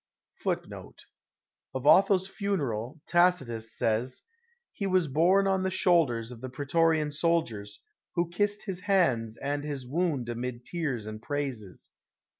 Of Otho*8 funeral, Tacitus says: '* He was borne on the shoulders of the pretorian soldiers, who kissed his hands and his wound amid tears and praises.